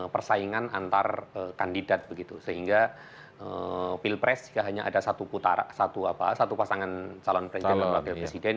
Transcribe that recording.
persaingan antar kandidat begitu sehingga pilpres hanya ada satu putara satu apa satu pasangan calon presiden